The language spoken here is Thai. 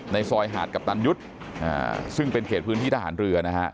ในซอยหาดกัปตันยุทธ์ซึ่งเป็นเขตพื้นที่ทหารเรือนะฮะ